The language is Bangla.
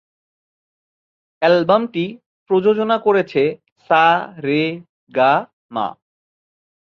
অ্যালবামটি প্রযোজনা করেছে সা রে গা মা।